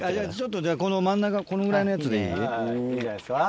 じゃあこの真ん中このぐらいのやつでいい？いいんじゃないですか。